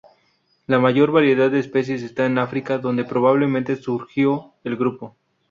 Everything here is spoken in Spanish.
La mayor variedad de especies está en África, donde probablemente surgió el grupo.